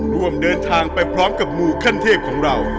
ร่วมเดินทางไปพร้อมกับมูขั้นเทพของเรา